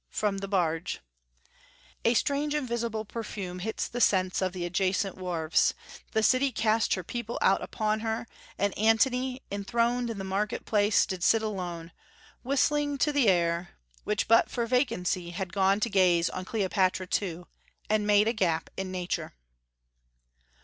... From the barge A strange invisible perfume hits the sense Of the adjacent wharves. The city cast Her people out upon her; and Antony, Enthroned i' the market place, did sit alone, Whistling to th' air; which, but for vacancy, Had gone to gaze on Cleopatra too, And made a gap in nature."